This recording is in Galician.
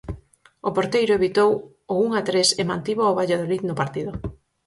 O porteiro evitou o un a tres e mantivo ao Valladolid no partido.